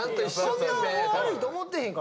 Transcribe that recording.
そんな悪いと思ってへんからさ。